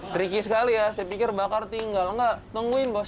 tricky sekali ya